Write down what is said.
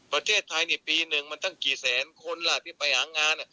ประเทศไทยนี่ปีหนึ่งมันตั้งกี่แสนคนล่ะที่ไปหางาน